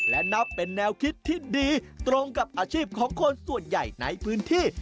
และนับเป็นแนวคิดที่ดีตรงกับอาชีพของคนส่วนใหญ่ในพื้นที่